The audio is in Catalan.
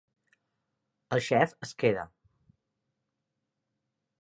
El xef es queda.